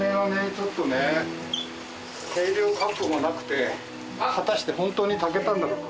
ちょっとね計量カップがなくて果たして本当に炊けたんだろうか？